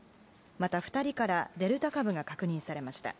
また２人からデルタ株が確認されました。